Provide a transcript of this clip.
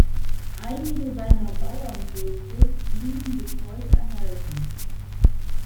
Einige seiner Bauernhöfe blieben bis heute erhalten.